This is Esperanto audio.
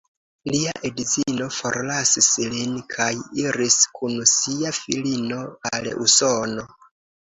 Lia edzino forlasis lin kaj iris kun sia filino al Usono.